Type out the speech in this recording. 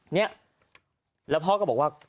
เนี่ยแล้วพ่อก็บอกว่า